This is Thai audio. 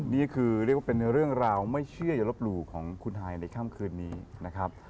นี่คือเรียกว่าเป็นเรื่องราวไม่เชื่ออย่าลบหลู่ของคุณฮายในค่ำคืนนี้นะครับ